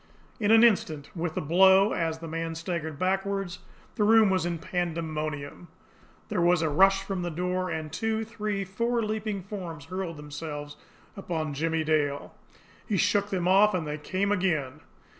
In an instant, with the blow, as the man staggered backward, the room was in pandemonium. There was a rush from the door, and two, three, four leaping forms hurled themselves upon Jimmie Dale. He shook them off and they came again.